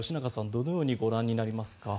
どのようにご覧になりますか。